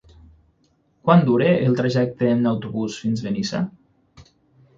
Quant dura el trajecte en autobús fins a Benissa?